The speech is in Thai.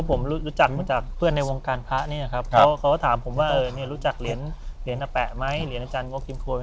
ผมรู้จักมาจากเพื่อนในวงการพระเนี่ยครับเขาก็ถามผมว่ารู้จักเหรียญอาแปะไหมเหรียญอาจารย์งบกิมควร